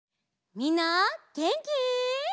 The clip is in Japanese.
みんなげんき？